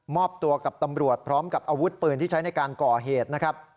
อบตัวกับตำรวจพร้อมกับอาวุธปืนที่ใช้ในการก่อเหตุนะครับ